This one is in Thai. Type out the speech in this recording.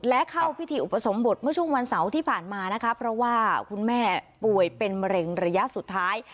และเข้าพิธีอุปสมบทเมื่อช่วงวันเสาร์ที่ผ่านมานะคะเพราะว่าคุณแม่ป่วยเป็นมะเร็งระยะสุดท้าย